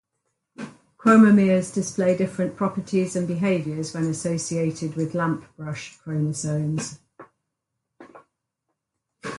Chromomeres display different properties and behaviours when associated with lampbrush chromosomes.